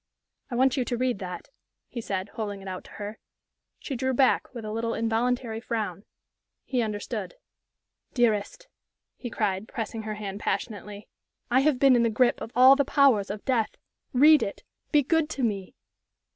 "I want you to read that," he said, holding it out to her. She drew back, with a little, involuntary frown. He understood. "Dearest," he cried, pressing her hand passionately, "I have been in the grip of all the powers of death! Read it be good to me!"